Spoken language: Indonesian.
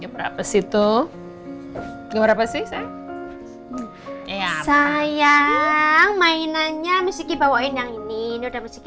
gemerak besi tuh gemerak pasti saya sayang mainannya miski bawain yang ini udah meski